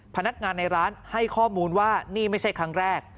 พนักงานในร้านให้ข้อมูลว่านี่ไม่ใช่ครั้งแรก